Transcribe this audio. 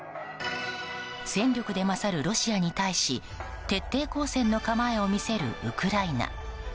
戦力で勝るロシアに対し徹底抗戦の構えを見せるウクライナ。